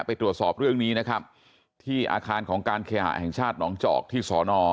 ไปตรวจสอบเรื่องนี้นะครับที่อาคารของการเคหาแห่งชาติหนองจอกที่สอนอ